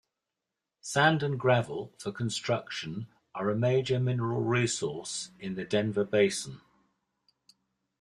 Sand and gravel for construction are a major mineral resource in the Denver Basin.